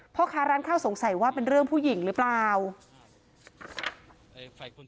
พ่อค้าร้านข้าวสงสัยว่าเป็นเรื่องผู้หญิงหรือเปล่า